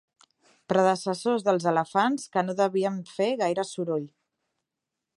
Predecessors dels elefants que no devien fer gaire soroll.